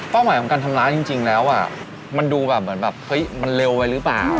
หมายของการทำร้ายจริงแล้วมันดูแบบเหมือนแบบเฮ้ยมันเร็วไปหรือเปล่า